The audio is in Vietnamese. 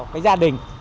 cái gia đình